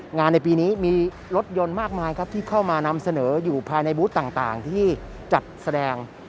ในปีนี้มีรถยนต์มากมายครับที่เข้ามานำเสนออยู่ภายในบูธต่างที่จัดแสดง